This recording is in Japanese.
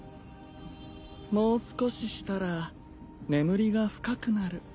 もう少ししたら眠りが深くなる。